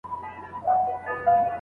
د زړه روح د زړه ارزښته قدم اخله